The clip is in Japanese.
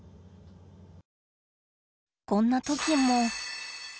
こんな時も。